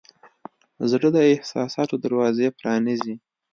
زړه د احساساتو دروازې پرانیزي.